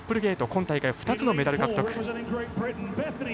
今大会２つのメダル獲得。